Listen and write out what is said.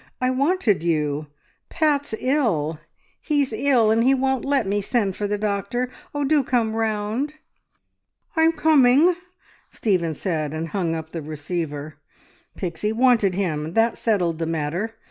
I wanted you. Pat's ill! He's ill, and he won't let me send for the doctor. Oh, do come round!" "I'm coming!" Stephen said, and hung up the receiver. Pixie wanted him, that settled the matter.